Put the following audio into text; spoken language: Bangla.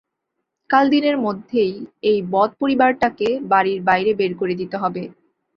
কাল দিনের মধ্যেই এই বদ পরিবারটাকে বাড়ির বাইরে বের করে দিতে হবে।